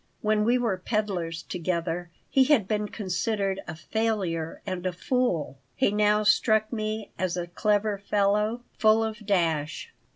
When we were peddlers together he had been considered a failure and a fool. He now struck me as a clever fellow, full of dash.